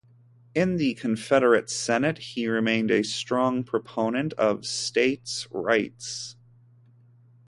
In the Confederate Senate, he remained a strong proponent of states' rights.